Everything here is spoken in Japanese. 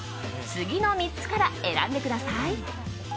次の３つから選んでください。